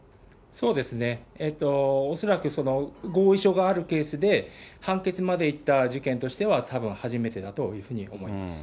そうですね、恐らく合意書があるケースで、判決まで行った事件としては、たぶん初めてだというふうに思います。